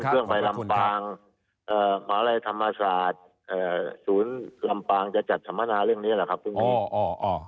หมาลัยธรรมศาสตร์ศูนย์ลำปางจะจัดสมณาเรื่องนี้ล่ะครับ